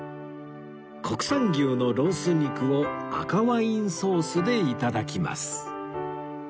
国産牛のロース肉を赤ワインソースで頂きます